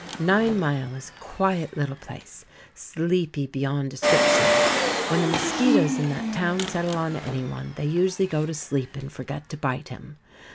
Ninemile is a quiet little place, sleepy beyond description. When the mosquitoes in that town settle on anyone, they usually go to sleep, and forget to bite him.